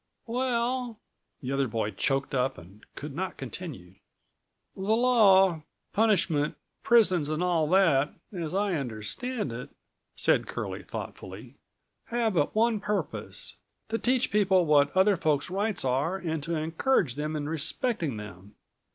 "231 "Well—" the other boy choked up and could not continue. "The law, punishment, prisons and all that, as I understand it," said Curlie thoughtfully, "have but one purpose: to teach people what other folks' rights are and to encourage them in respecting them.